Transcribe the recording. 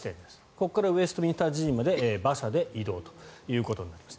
ここからウェストミンスター寺院まで馬車で移動ということになります。